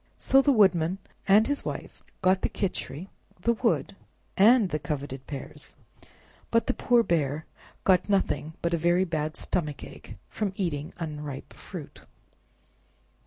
So the Woodrnan and his Wife got the Khichri, the wood, and the coveted pears, but the poor bear got nothing but a very bad stomachache from eating unripe fruit.